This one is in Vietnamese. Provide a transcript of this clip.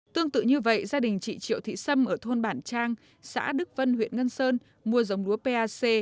tương tự như vậy gia đình chị triệu thị sâm ở thôn bản trang xã đức vân huyện ngân sơn mua giống lúa pac tám trăm ba mươi bảy